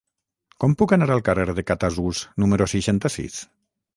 Com puc anar al carrer de Catasús número seixanta-sis?